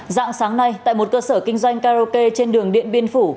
dạng sáng nay tại một cơ sở kinh doanh karaoke trên đường điện biên phủ